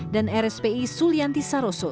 dan rspi sulianti saroso